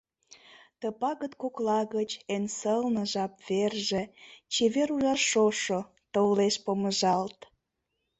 Ты пагыт кокла гыч Эн сылне жап-верже — Чевер ужар шошо — Толеш помыжалт!